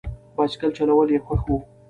بایسکل چلول یې خوښ و.